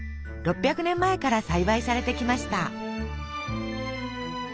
６００年前から栽培されてきました。